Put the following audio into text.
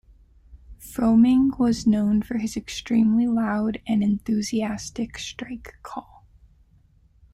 Froemming was known for his extremely loud and enthusiastic strike call.